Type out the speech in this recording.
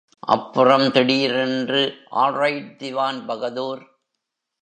அப்புறம் திடீரென்று ஆல்ரைட் திவான்பகதூர்!